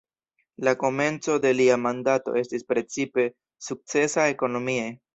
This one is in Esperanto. La komenco de lia mandato estis precipe sukcesa ekonomie.